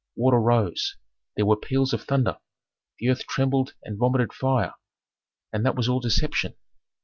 Water rose; there were peals of thunder; the earth trembled and vomited fire. And that was all deception.